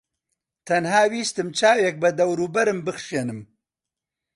تەنها ویستم چاوێک بە دەوروبەرم بخشێنم.